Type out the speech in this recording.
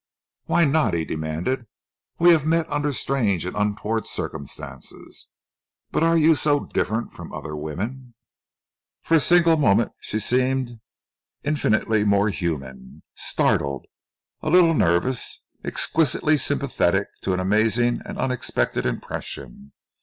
"Why not?" he demanded. "We have met under strange and untoward circumstances, but are you so very different from other women?" For a single moment she seemed infinitely more human, startled, a little nervous, exquisitely sympathetic to an amazing and unexpected impression.